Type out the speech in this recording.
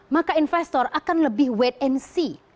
maka investor akan lebih wait and see